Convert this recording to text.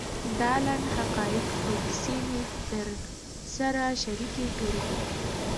دا لنډ حقایق او کیسې مې در سره شریکې کړې.